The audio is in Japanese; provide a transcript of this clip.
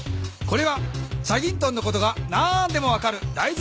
これは『チャギントン』のことが何でも分かるだい